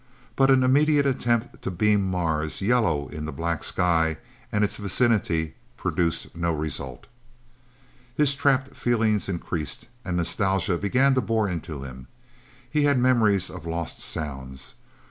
But an immediate attempt to beam Mars yellow in the black sky and its vicinity, produced no result. His trapped feeling increased, and nostalgia began to bore into him. He had memories of lost sounds.